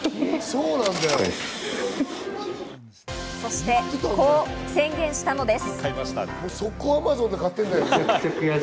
そして、こう宣言したのです。